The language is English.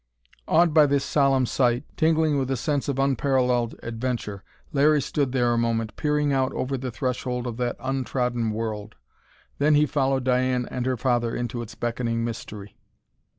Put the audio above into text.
Awed by this solemn sight, tingling with a sense of unparalleled adventure, Larry stood there a moment, peering out over the threshold of that untrodden world. Then he followed Diane and her father into its beckoning mystery....